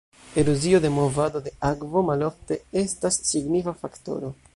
Erozio de movado de akvo malofte estas signifa faktoro.